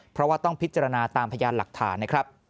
เพราะว่าต้องพิจารณาตามพยานหลักฐานนะครับ